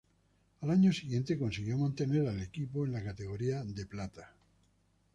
Al año siguiente, consiguió mantener al equipo en la categoría de plata.